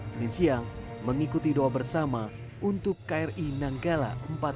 senin siang mengikuti doa bersama untuk kri nanggala empat ratus dua